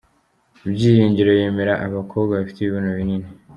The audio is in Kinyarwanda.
byiringiro yemera abakobwa bafite ibibuno binini